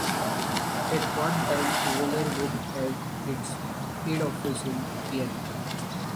At one time Volare Group had its head office in Thiene.